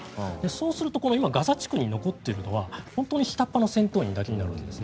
そうすると今、ガザ地区に残っているのは本当に下っ端の戦闘員だけになるわけです。